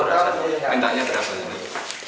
mintaan yang terakhir ini